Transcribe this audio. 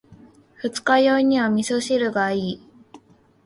二日酔いには味噌汁がいい。